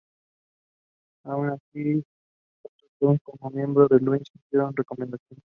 Aun así, tanto Taft como otro miembro, Louis Ayres, hicieron recomendaciones.